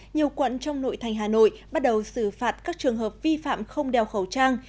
nhiều quận trong nội thành hà nội bắt đầu xử phạt các trường hợp vi phạm không đeo khẩu trang